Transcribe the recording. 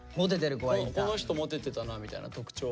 この人モテてたなみたいな特徴は？